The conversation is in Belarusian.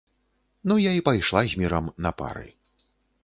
Ну я і пайшла з мірам на пары.